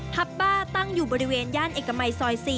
บ้าตั้งอยู่บริเวณย่านเอกมัยซอย๔